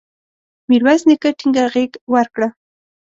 میرویس نیکه ټینګه غېږ ورکړه.